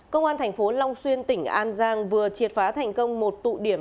công an thành phố long xuyên tỉnh an giang vừa triệt phá thành công một tụ điểm